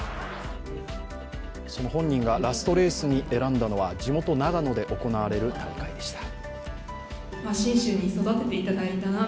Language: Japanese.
その本人がラストレースに選んだのは、地元・長野で行われる大会でした。